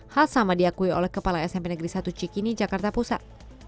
hal sama diakui oleh kepala smp negeri satu cikini jakarta pusat